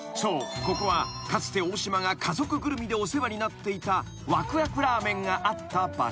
ここはかつて大島が家族ぐるみでお世話になっていたわくわくラーメンがあった場所］